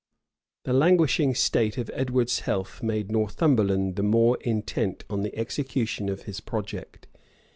The languishing state of Edward's health made Northumberland the more intent on the execution of his project.